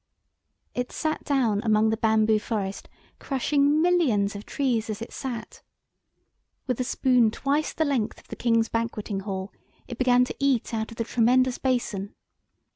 It sat down among the bamboo forest, crushing millions of trees as it sat. With a spoon twice the length of the King's banqueting hall, it began to eat out of the tremendous basin.